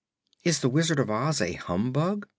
"Is the Wizard of Oz a humbug?"